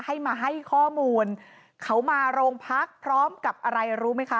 ให้มาให้ข้อมูลเขามาโรงพักพร้อมกับอะไรรู้ไหมคะ